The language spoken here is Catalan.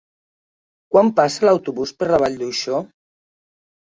Quan passa l'autobús per la Vall d'Uixó?